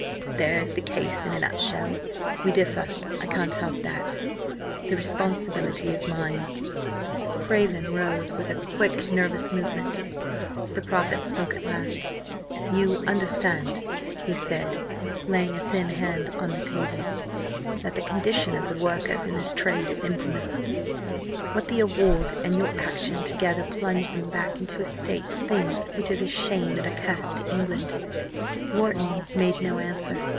There is the case in a nutshell. We differ I can't help that. The responsibility is mine." Craven rose with a quick, nervous movement. The prophet spoke at last. "You understand," he said, laying a thin hand on the table, "that the condition of the workers in this trade is infamous! that the award and your action together plunge them back into a state of things which is a shame and a curse to England!" Wharton made no answer.